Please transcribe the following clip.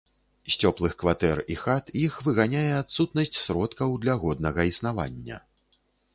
З цёплых кватэр і хат іх выганяе адсутнасць сродкаў для годнага існавання.